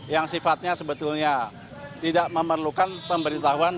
yang sifatnya sebetulnya tidak memerlukan pemberitahuan